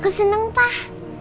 aku seneng pak